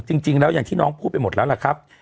จริงแล้วอย่างที่น้องพูดไปหมดแล้วล่ะครับ